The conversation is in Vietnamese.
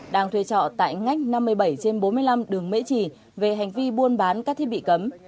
đang thuê trọ tại ngách năm mươi bảy trên bốn mươi năm đường mễ trì về hành vi buôn bán các thiết bị cấm